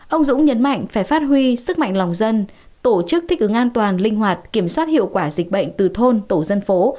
ông dũng nhấn mạnh phải phát huy sức mạnh lòng dân tổ chức thích ứng an toàn linh hoạt kiểm soát hiệu quả dịch bệnh từ thôn tổ dân phố